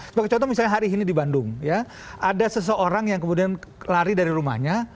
sebagai contoh misalnya hari ini di bandung ya ada seseorang yang kemudian lari dari rumahnya